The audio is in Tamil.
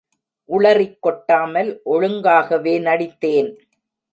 உளறிக் கொட்டாமல் ஒழுங்காகவே நடித்தேன்.